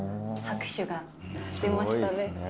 拍手が出ましたね。